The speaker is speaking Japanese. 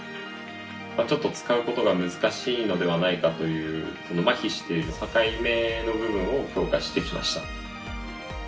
使うことが難しいのではないかというまひしている境目の部分を強化してきました。